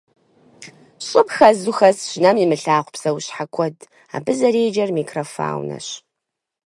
ЩӀым хэзу хэсщ нэм имылъагъу псэущхьэ куэд, абы зэреджэр микрофаунэщ.